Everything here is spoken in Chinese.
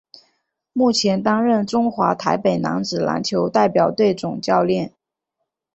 目前担任中华台北男子篮球代表队总教练。